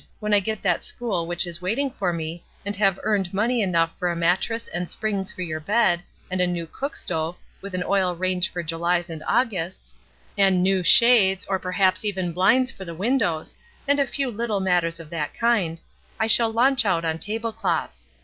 When I get that school which is waiting for me, and have earned money enough for a mattress and springs for your bed, and a new cook stove, with an oil range for Julys and Augusts, and new shades, or perhaps even blinds for the windows, and a few httle matters of that kind, I shall launch out on tablecloths.